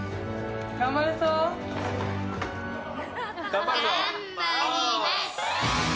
頑張ります！